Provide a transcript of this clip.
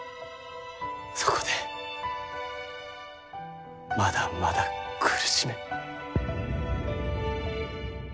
そこでまだまだ苦しめ。